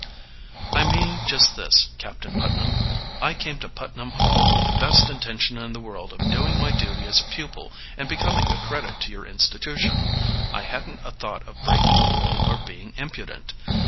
"I mean just this, Captain Putnam. I came to Putnam Hall with the best intention in the world of doing my duty as a pupil and becoming a credit to your institution. I hadn't a thought of breaking a rule or being impudent.